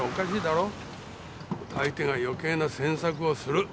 相手が余計な詮索をする。